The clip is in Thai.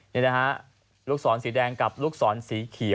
นี่นะฮะลูกศรสีแดงกับลูกศรสีเขียว